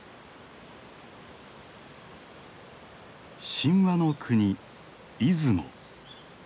神話の国出雲。